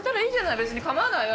別に構わないわよ